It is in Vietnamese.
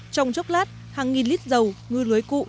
trong chốc lát hàng nghìn lít dầu ngư lưới cụ